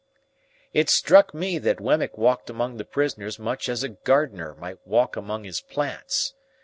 It struck me that Wemmick walked among the prisoners much as a gardener might walk among his plants.